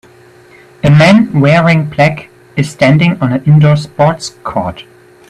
A man wearing black is standing on an indoor sports court.